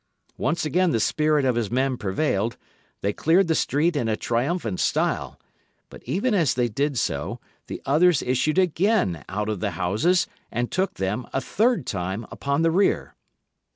Once again the spirit of his men prevailed; they cleared the street in a triumphant style, but even as they did so the others issued again out of the houses, and took them, a third time, upon the rear.